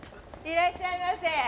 いらっしゃいませ！